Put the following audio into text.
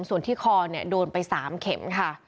ส่วนที่คอโดนไป๓เข็มค่ะ